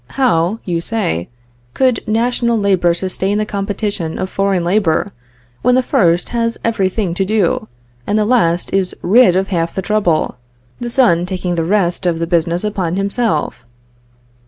How, you say, could national labor sustain the competition of foreign labor, when the first has every thing to do, and the last is rid of half the trouble, the sun taking the rest of the business upon himself?